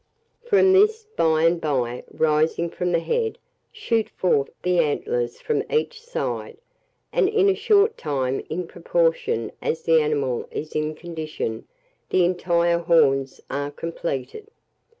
From this, by and by, rising from the head, shoot forth the antlers from each side; and, in a short time, in proportion as the animal is in condition, the entire horns are completed.